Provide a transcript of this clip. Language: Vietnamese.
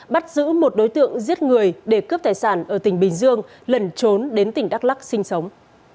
bắt giữ một đối tượng giết người để cướp tài sản ở tỉnh bình dương lẩn trốn đến tỉnh đắk lắc sinh sống